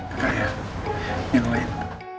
kakak ya yang lain